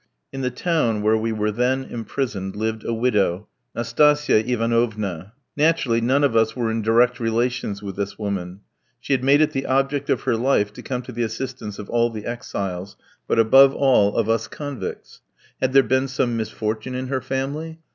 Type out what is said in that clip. In the town where we were then imprisoned lived a widow, Nastasia Ivanovna. Naturally, none of us were in direct relations with this woman. She had made it the object of her life to come to the assistance of all the exiles; but, above all, of us convicts. Had there been some misfortune in her family?